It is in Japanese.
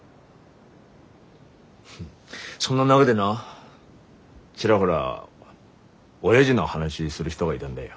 そんな中でなちらほらおやじの話する人がいだんだよ。